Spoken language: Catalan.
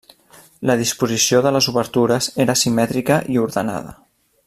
La disposició de les obertures era simètrica i ordenada.